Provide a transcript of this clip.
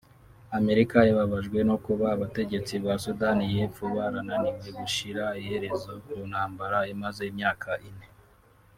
Amerika yababajwe no kuba abategetsi ba Sudani y’Epfo barananiwe gushyira iherezo ku ntambara imaze imyaka ine